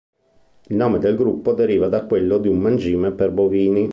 Il nome del gruppo deriva da quello di un mangime per bovini.